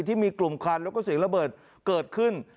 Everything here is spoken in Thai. ที่มีกลุ่มควันแล้วก็เสียงระเบิดเกิดขึ้น